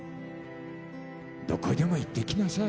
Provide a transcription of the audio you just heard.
「どこへでも行ってきなさい」